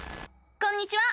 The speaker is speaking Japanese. こんにちは！